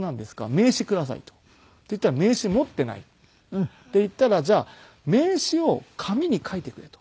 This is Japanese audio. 名刺ください」って言ったら「名刺持っていない」って言ったら「じゃあ名刺を紙に書いてくれ」と言った時に。